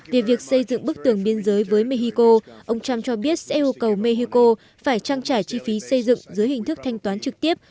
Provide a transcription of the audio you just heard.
về việc xây dựng bức tường biên giới với mexico ông trump cho biết sẽ yêu cầu mexico phải trang trải chi phí xây dựng dưới hình thức thanh toán trực tiếp